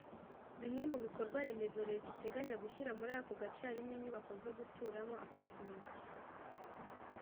Bimwe mu bikorwaremezo Leta iteganya gushyira muri ako gace harimo inyubako zo guturamo “Appartments”